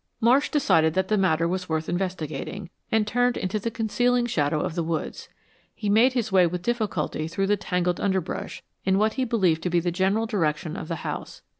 Marsh decided that the matter was worth investigating, and turned into the concealing shadow of the woods. He made his way with difficulty through the tangled underbrush, in what he believed to be the general direction of the house.